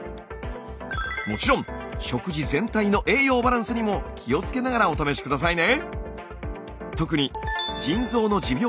もちろん食事全体の栄養バランスにも気をつけながらお試し下さいね！